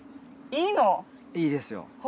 いいですよ。